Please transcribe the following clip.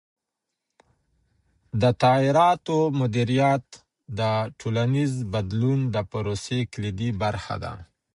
د تغییراتو مدیریت د ټولنیز بدلون د پروسې کلیدي برخه ده.